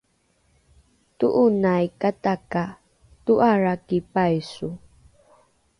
to’onaikata ka to’araki paiso